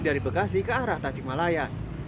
dari bekasi ke arah tasikmalaya